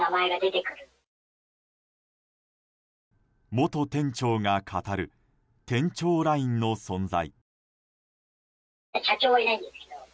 元店長が語る店長ＬＩＮＥの存在。